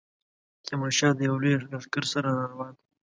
تیمورشاه د یوه لوی لښکر سره را روان دی.